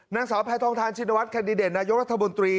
นางสาวแพทองทานชินวัฒแคนดิเดตนายกรัฐมนตรี